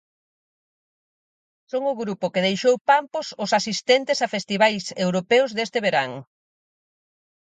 Son o grupo que deixou pampos os asistentes a festivais europeos deste verán.